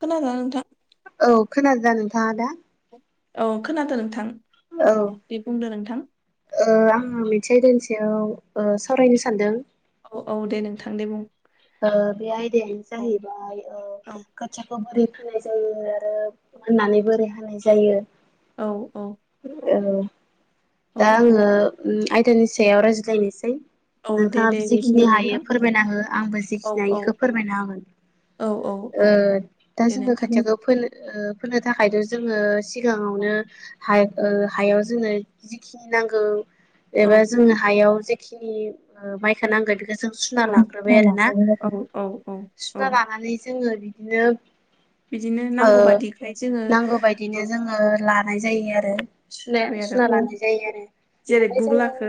खोना दोंना नोंथा खोनादों ना नोंथाङा दा? औ खोनादों नोंथां। औ दे बुंदो नोंथां ओ आङो [unintelligible] दोंसे बियाव ओ सावरायनो सानदों औ औ दे नोंथां दे बुं। ओ बे आयदायानो औ जाहैबाय ओ औ खाोथियाखौ बोरै हानाय जायो आरो मोननानै बोरै हानाय जायो। औ औ औ औ दा आङो औ ओम आयदानि सायाव रायज्लायनोसै। औ दे दे नोंथाङाबो जिखिनि बुंदो हायो नोंथां फोरमायना हो आंबो औ जिखिनि हायो औ बेखौ फोरमायना होगोन। औ औ औ ओ दा दे जोङो नोंथां खाोथिखौ फोनो ओ फोनो थाखायथ' जोङो औ सिगाङावनो हायाव ओ जोङो जिखिनि नांगौ औ एबा जोंनो हायाव जेखिनि ओ माइखौ नांगौ जों सुना लाग्रोबाय आरोना औ औ औ औ सुना लानानै जोङो बिदिनो बिदिनो ओ नांगौ बादिखाय जोङो नांगौ औ बायदिनो जोङो ला लानाय नाय जायो आरो जाबाय सुना आरो लानो जेरै गुग्लाखौ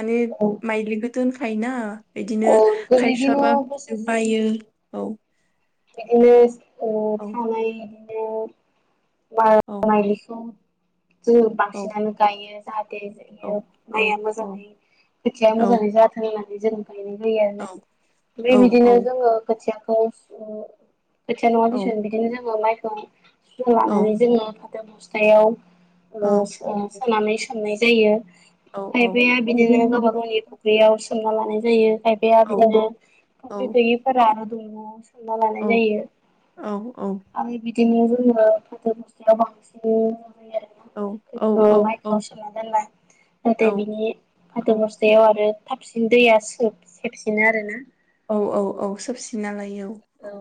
माने औ माइग्लिंखौ दोनखा यना बिदिनो औ बेबायदिनो खायसुवाबा बि बोसोरसे बायो औ बिदिनो ओ औ थानाय मार औ मायलिखौ जों औ बांसिनानो गायो बि औ जायो औ माइया औ मोजाङै खोथिया औ मोजाङै जाथों होननानै जों गायनाय जायो औ आरोना औ ओमफ्राय औ बिदिनो जोङो खोथिया खोथिया खौ खोथिया नङा औ थिसन बिदिनो जोङो माइखौ सु औ लानानै जोङो बस्थायाव औ सोनानै सोमनाय जायो औ खायफाया औ बिदिनो गावबा गावनि फुख्रियाव सोमना लानाय जायो खायफाया बिदिनो औ औ फख्रि गैयैफोरा आरो दंग'आव सोमना लानाय जायो आरो बि बिदिनो जोङो फोथोर बुस्थाव बांसिन आरोखौ सोमना दोनबा औ नाथाय बिनि फाथोबस्थायाव आरो थाबसिन दैया सेबसिनो आरोना औ औ औ सोबसिनालायो औ औ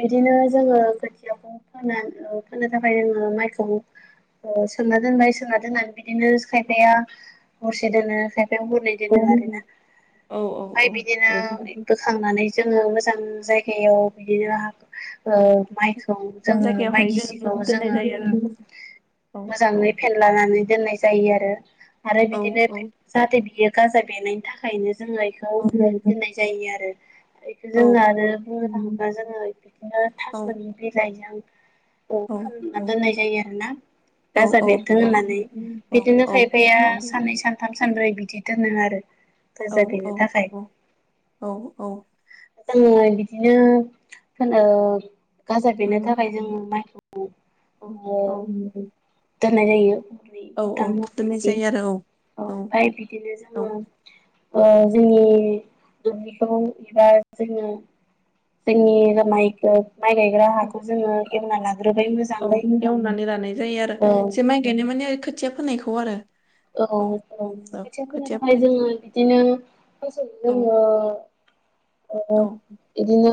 बिदिनो जोङो खोथियाखौ फोना ओ फोनो थाखाय जोङो माइखौ ओ सोमना दोनबाय सोमना दोननानै बिदिनो खायफाया हरसे दोनो खायफाया हरनै औ दोनो आरो ना औ औ औ ओमफ्राय बिदिनो बोखांनानै जोङो मोजां जायगायाव बिदिनो ओ माइखौ मोनथाम जोङो माइ जायगायावहाय जों गिसिखौ दोननाय जोङो जायो आरो औ औ मोजाङै फेनलानानै दोननाय जायो आरो आरो औ बिदिनो औ जाहाथे बियो गाजा बेनायनि थाखायनो जोङो बेखौ औ दोननाय जायो आरो खौ औ जोङो आरो बुंनो थाङोब्ला जोङो बिदिनो थास'नि बिलाइजों अ खोमना दोननाय जायो आरोना गाजा औ बेरथों होननानै बिदिनो खायफाया साननै सानथाम सानब्रै बिदि बिदि दोनो आरो गाजा बेरनो थाखाय जोङो बिदिनो फोनो गाजा बेरनो थाखाय जोङो माइखौ ओ औ औ दोननाय जायो औ औ थाम दोननाय हगैदि जायो आरो औ ओमफ्राय बिदिनो औ जोङो ओ जोंनि दुब्लिखौ एबा जोङो जोंनि रा माइखौ औ मोजाङै एवनानै लानाय जायो आरो औ एसे माइ गायनाय माने खोथिया फोनायखौ आरो औ औ औ खोथिया फोनो खोथिया थाखाय फोनायखौ जोङो बिदिनो फानसे औ जोङो ओ औ बिदिनो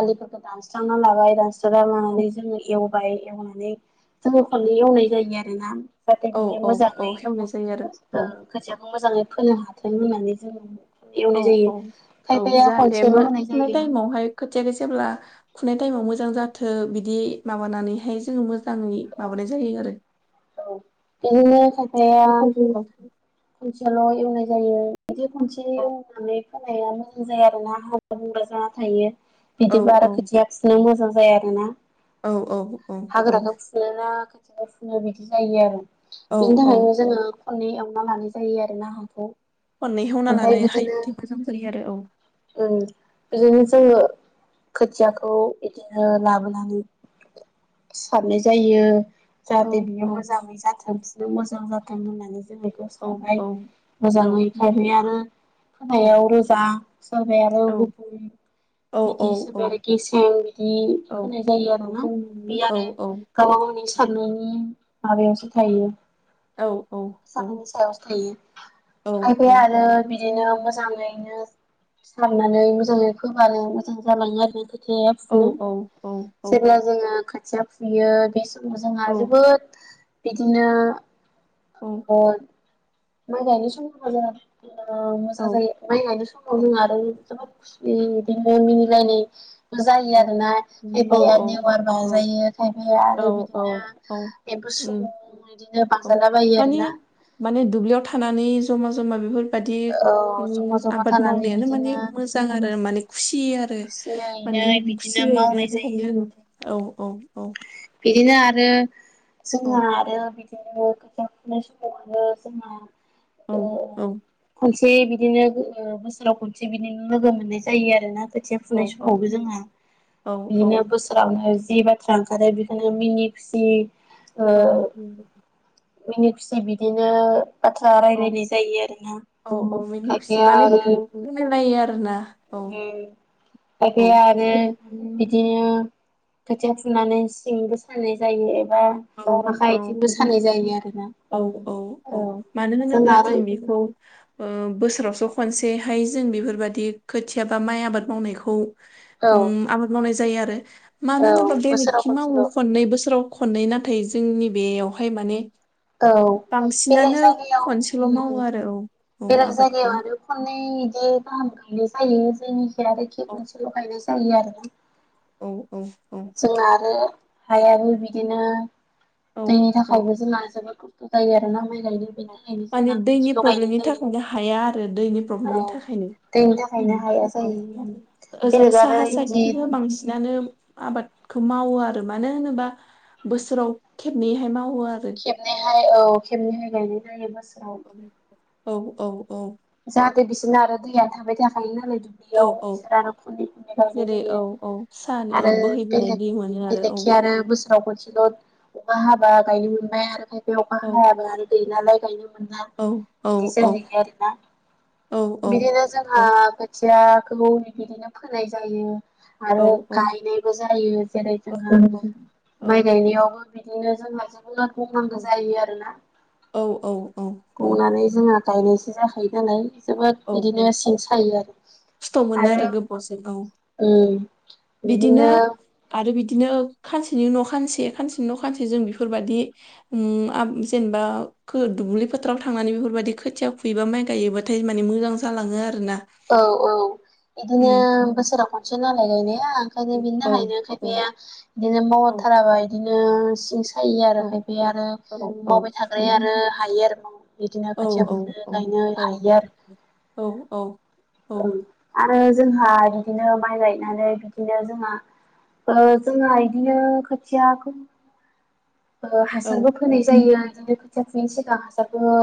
आलिफोरखौ दानस्रांना लाबाय दानसां दानस्रांनान औ मानानै जोङो एवबाय एवनानै जोङो खननै एवनाय जायो आरोना जाथ औ बियो औ मोजाङै औ हेवनाय जायो आरो खोथियाखौ मोजाङै फोनो हाथों होननानै जोङो औ एवनाय जायो औ औ खायफाया जाहाथे मो खनसेल' होनाय फुनाय जायो औ टाइमावहाय खोथिाखौ जेब्ला फुनाय टाइमाव मोजां जाथों बिदि माबानानैहाय जोङो मोजाङै माबानाय जायो आरो औ बिदिनो खायफाया औ औ खनसेल' एवनाय जायो बिदि खनसे औ एवनानै होनाया मोजां जायो आरोना हाग्रा बुंग्रा जाना थायो बिदिबा औ आरो खोथियाखौसो मोजां ज आरो ना औ औ हाग्राखौ फुनोना खोथिया फुनो बिदि जायो आरो औ बेनि औ थाखायनो जोङो खननै एवना लानाय जायो आरो ना हाखौ खननै एवना ओमफ्राय लानो बिदिनो हायोबाथाय मोजां जायो आरो औ। बिदिनो जोङो खोथियाखौ बिदिनो लाबोनानै सारनाय जायो। औ जाहाथे बियो औ मोजाङै जाथों बिनो मोजां जाथों होननानै जों बेखौ औ खारनाय औ औ मोजाङै खारै आरो। खोनायाव औ रोजा सोरबाया आरो औ गुबुं औ बिदि औ हिसाबै आरो गेसो बिदि औ होनाय जायो आरोना बे औ औ आरो औ गावबा गावनि साननायनि माबायावसो थायो। औ औ औ सानायनि सायावसो थायो औ औ खायफाया आरो बिदिनो मोजाङैनो सारनानै मोजाङै फोब्लानो मोजां जालाङो आरो जाया फुनो जेब्ला जोङो खोथिया फुयो बे समाव जोंहा जोबोद बिदिनो अ माइ गायनो सम [unintelligible] मज ओ मोजां जायो माइ गायनाय समाव जों आरो जोबोद खुसि मिनिलायनाय जायो आरोना खायफाया लेवार बाजायो खायफाया आरो बिदिनो एम्फौ सुमु उम बिदिनो औ बाजालाबायो माने आरोना। माने दुब्लियाव थानानै ज'मा जमा बेफोर बायदि औ ओम जमा जमा आबाद थानानै मावनायानो बिदिनो माने मोजां आरो माने खुसि आरो खुसियैनो माने बिदिनो मावनाय जायो खुसियैनो आ औव औव औव बिदिनो आरो जोंहा आरो बिदिनो गाजा खुरनाय समाव आरो जोंहा औ अ औ अ [unintelligible] खनसे बिदिनो ओ बोसोराव खनसे बिदिनो लोगो मोननाय जायो आरो ना। खोथिया फुनाय औ औ समावबो जोंहा औ बिदिनो बोसोरावनो जि बाथ्रा ओंखारो बे मिनि खुसि औव नंगौ मिनि खुसि बिदिनो बाथ्रा रायलायनाय जायो आरो ना औव औव मिनि खुसि खायफाया माने फोरमायलायो आरो ना औव उम खायफाया आरो बिदिनो खोथिया फुनानै सिंबो सानाय जायो। एबा औव आखाइ औव आथिंबो औव सानाय जायो आरोना औव औ औव औव मानो होनोब्ला जों बेखौ ओ बोसोर बोसोरावसो खनसेहाय जों बेफोरबाददि खोथिया बा माइ आबाद मावनायखौ औ ओम आबाद मावनाय जायो आरो मानो औ होनोबा बोसोराव बेलेखि मावो खनसेल' खननै बोसोराव खननै नाथाय जोंनि बेयावहाय माने औव बेलेग बांसिनानो जायगायाव खनसेल' मावो आरो औ बेलेग आबादखौ जायगायाव आरो खननै एसे गाहाम गोैलैनाय जायो जायनिखि आरोखि खनसेल' गायनाय जायो आरो ना औव जोंना आरो हायाबो बिदिनो दैनि औ थाखायबो जोंना जोबोद मोजां जायों आरो ना। माने दैनि प्रब्लेमनि जायो थाखायनो हाया आरो दैनि प्रब्लेमनि औ थाखायनो दैनि थाखायनो उम हाया जायो औव ओजों बेलेग आरो साहा इदि साइटखिजा बांसिनानो आबाद खौ मावो आरो मानो होनोबा बोसोराव खेबनैहाय मावो। आरो खेबनैहाय औव खेबनैहाय गायनाय जायो बोसोराव औव औव औव जाहाथे बिसोरनो आरो दैया थाबाय थाखायो नालाय। [unintelligible] औ दुब्लियाव औ बिसोर आरो खै खै गायनाय जेरै औ जायो औ साहानि ओ आरो बोहैबोनाय बेले दै मोनो बेले औ एखि आरो बोसोरा खनसे ल' अखा हाबा गायनो मोनबाय आरो खायफाया अखा औ हायाबा आरो गैलालाय गायनो । औ औ बिदि औ जायो आरोना बिदिनो औ जोंहा औ खोथियाखौ बिदिनो फोनाय जायो। औ आरो औ गायनायबो जायो जेरै औ जोंहा औ माइ गायनायावबो बिदिनो जोंहा जोबोद बुंनांगौ जायो आरोना औ औ औ बुंनानै जोङो गायनायसो जाखायो नालाय जोबोद औ बिदिनो सिं सायो आरो खस्थ' मोनो आरो गोबावजों औ उम बिदिनो आरो बिद बिदिनो खानसेनि उनाव खानसे खानसेनि उनाव खानसे जों बेफोरबायदि उम आ जेनेबा खो दुब्लि फोथाराव थांनानै बेफोरबायदि खोथिया खुयोबा माइ गायोबाथाय माने मोजां जालाङो आरो ना। औव औव बिदिनो बोसोराव खनसे नालाय गायनाया ओंखायनो बिनि औ थाखायनो औ खायफाया बिदिनो मावथाराबा बिदिनो सिंस सायो औ आरो खायफ आरो औ औ मावबाय थाग्राया आरो हायो आरो बिदिनो औ खोथिया औ फुनो गाय हायो आर औ औ ओं आरो जोंहा बिदिनो माइ गायनानै बिदिनो जोंहा ओ जोंहा इदिनो खोथियाखौ ओ औ हासारबो फोनाय जायो बिदिनो खोथिया खुनोसै मोजां हासारखौ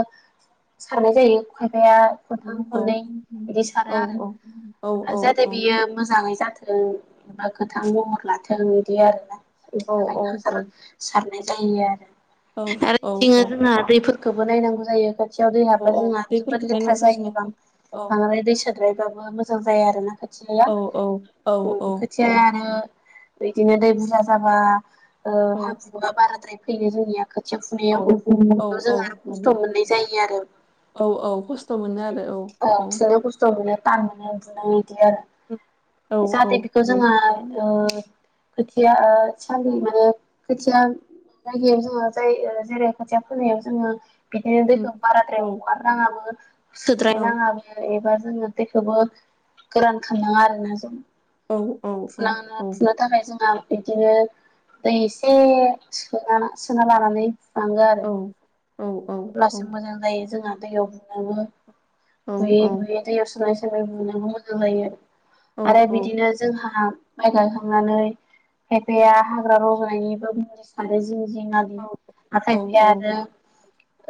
सारनाय जायो बिफाया खनथाम खननै बिदि सारो आरो औ औ आरो जाहाथे औ बियो मोजाङै जाथों बा गोथां महर लाथों बिदि आरोना बिनि औ औ थाखायनो औ हासार सार [unintelligible] आरो औ औ औ खोबो नायनांगौ जायो खाथियाव दै औ हाबा औ जोंहा जोबोर दैफोरखौ लेथ नायनांगौ जायो जायोना औ बांद्राय दै सो बांद्रायबाबो मोजां जायो आरोना खोथियाया औ औ औ उ औ औ खोथियाया आरो बिदिनो दै बुरजा जाबा ओ आद्राय फैयो जोंनिया खोथियाव औ फुनायाव थ जोंहा आरो खस्थ' मोननाय जायो आरो औ औ खस्थ' मोनो आरो औ औ दान मोनो बुनाय बिदि औ आरो जाहाथे बेखौ जोंहा ओ खोथिया ओ सान्दि माने खोथिया जायगायाव जोङो जाय जेरै खोथिया फोनायाव जोङो बिदिनो औ दैखौ बाराद्राय हगारनााङाबो सुद्राय नाङाबो एबा जोङो बेखौबो गोरान खालामनाङा आरोना जों औ [unintelligible] फुनो थाखाय जोंहा बिदिनो दै एसे सोना सोना लानानै फुनांगो आरो अब्लासो मोजां जायो जोंहा दैयाव बुनोबो बुयै बुयै दैयाव सोनाय बुंनोबो मोजां जायो आरो बिदिनो जोंहा माइ गायाखांनानै खायफाया हाग्रा रजनायनिबो [unintelligible] [unintelligible] नाथाय [unintelligible] आरो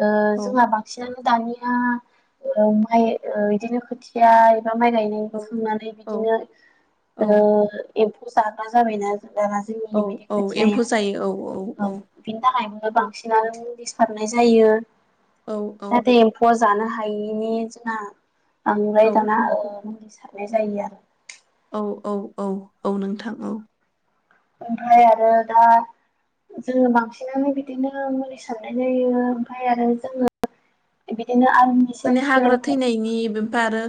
ओ जोंहा बांसिन दानिया ओ माइ ओ इदिनो खोथिया एफा माइ गायनाय खांनानै बिदिनो औ ओ एम्फौ जाग्रा जाबायना दाना जोंनि औ बिदि औ एम्फौ जायो खोथियायाव औ बिनि थाखायबो औ बांसिनानो [unintelligible] सारनाय जायो औ औ जाहाथे एम्फौआ जानो हायैनि जोंना बांद्राय दाना औ ओ औ मुलि सारनाय जायो आरो औ औ औ नोंथां औ ओमफ्राय आरो दा जोङो बांसिनानो बिदिनो मुलि सारनाय जायो ओमफाय आरो जोङो बिदिनो आं माने हाग्रा थैनायनि बेमफ्राय आरो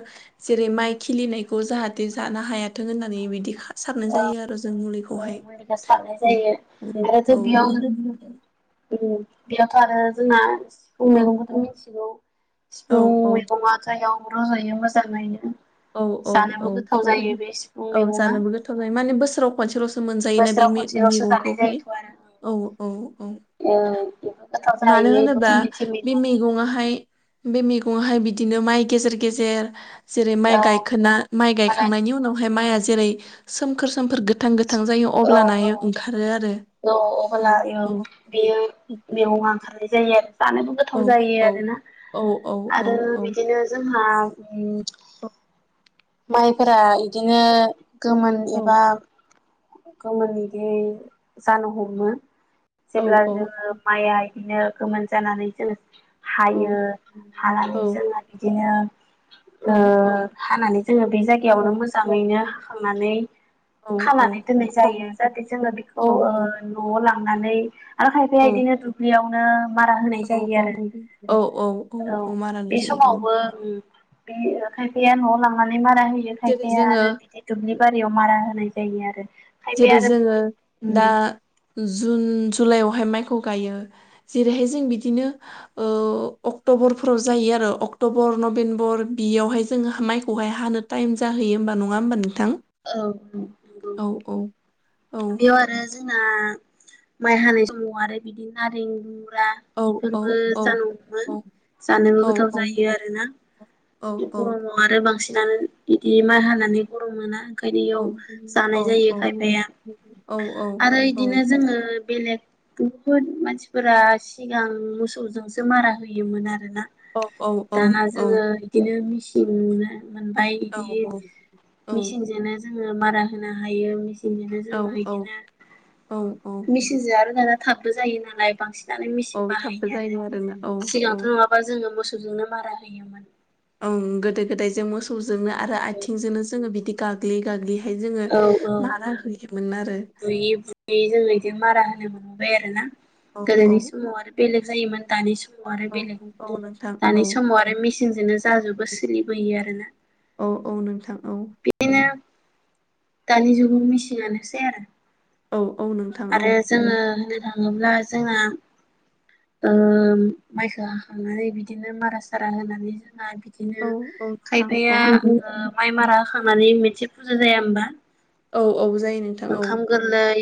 जेरै माइ खिलिनायखौ जाहाथे जानो हायाथों होननानै बिदि सारनाय जायो आरो जों मुलिखौ ओ मुलिखौ सारनाय जायो आरो औ जों बेयाव बेयावथ' आरो जोंआ सिफुं औ मैगंखौथ' मिथिगौ औ सिफुं मैगंआ जायाव रजायो मोजां नायनो औ औ औ ज ज सिफुं औ मैगङा जानोबो गोथाव जायो माने बोसोराव खनसेल'स मोनजायोना बे बोसोराव मे खनसेल'सो जानाय मैगंखौहाय जायोथ' आरो औ औ औ। ओ बेबो गोथाव मानो जायो होनोबा बेबोथ' मोनसे बे मैगं मैगङाहाय बे मैगंआहाय बिदिनो माइ गेजेर गेजेर जेरै औ माइ गायखाना माइ होमबालाय गायखांनायनि उनावहाय माइआ जेरै सोमखोर सोमोर गो गोथां गोथां जायो औ अब्लान ओंखारो आरो। औ अबाला औ इयो बेयो मैगङा ओंखारनाय जायो आरो। जानोबो औ गोथाव जायो औ आरोना औ औ औ आरो औ बिदिनो जोंहा उम [unintelligible] माइफोरा इदिनो गोमोन औ एबा गोमोन इदि जानो हमो औ जेब्ला जोङो माइआ बिदिनो गोमोन जानानै जोंङो औ हायो हानानै औ जोङो बिदिनो ओ औ हानानै जोङो बे जायगायावनो मोजाङैनो हाखांनानै औ औ। होनाय जायो जाहाथे जोङो बेखौ‌ ओ न'आव‌ लांनानै आरो खायफाया इदिनो दुब्लियाव मारा होनाय जायो आरो औ औ औ मारा होनाय बे जायो औ समावबो ओं बे ओखाय खायफाया न'आव लांनानै मारा होयो जेरै खायफाया आरो जोङो बिदिनो दुब्लि बारियाव मारा होनाय जायो आरो। खायफाया जेरै आरो जोङो उम दा जुन जुलाइआवहाय माइखौ गायो जेरैहाय जों बिदिनो ओ अक्ट'बरफोराव जायो आ ओ अक्ट'बर नभेम्बर बियावहाय जोङो माइखौहाय हानो टाइम जाहैयो होमबा नङा होमबा नों औ नंगौ। औ औ। बेयाव आरो जोंना माइ हानाय समाव आरो बिदि नारें बा औ औ इफोरबो जानौबो औ जानोबो औ गोथाव जायो आरोना। औ गरमाव आरो बांसिनानो इदि माय हानानै गरम मोना। ओंखायनो औ इयाव औ जानाय जायो खायफाया औ आरो औ इदिनो जोङो बेलेग बुहुद मानसिफोरा सिगां मोसौजोंसो मारा होयोमोन आरो। आरोना औ दाना जोङो इदिनो मेचिन मोनो। मोनबाय इदि मेसि नो‌ जोङो मारा होनो हायो मेसि बिदिनो जोङो औ इदिनो औ मेचिनजों आरो दाना थाबबो जायो नालाय बांसिन जानो औ मेचिन थाबबो बाहायो आरो जायो आरोना औ औ सिगांथ' नङाबा जोङो मोसौजोंनो मारा होयोमोन ओं गोदो गोदायजों मोसौजोंनो आरो आथिंजोंनो जोङो बिदि गाग्लियै गाग्लि फाय जोङो औ मारा होयोमोन आरो। बुयै बुयै जोङो बिदि मारा होनो मोनबोबाय आरो ना औ औ गोदोनि समाव आरो बेलेग जायोमोन दानि समाव समाव आरो औ बेलेग औ नोंथां दानि औ समाव आरो मेसिनजोंनो जाजोबो सोलिबोयो आरोना। औ औ नोंथां औ। बिदिनो दानि जुगाव मिसिननानोसै आरो। औ औ नोंथां औ आरो जोङो होननो थाङोब्ला जोंहा ओ माइखौ हाखांनानै बिदिनो मारा सारा होनानै जों ना बिदिनो औ नोंथां खायफाया औ ओ माइ मारा खांनानै मोनसे फुजा जाया होमबा औ औ जायो नोंथां औ ओंखाम गोरलै